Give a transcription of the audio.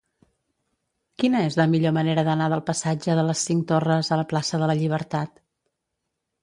Quina és la millor manera d'anar del passatge de les Cinc Torres a la plaça de la Llibertat?